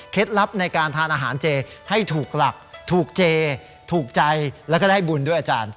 ลับในการทานอาหารเจให้ถูกหลักถูกเจถูกใจแล้วก็ได้บุญด้วยอาจารย์